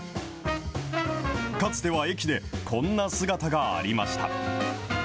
かつては駅で、こんな姿がありました。